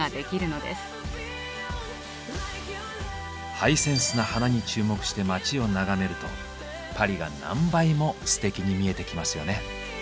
ハイセンスな花に注目して街を眺めるとパリが何倍もステキに見えてきますよね。